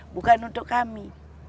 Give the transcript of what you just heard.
bukan untuk kami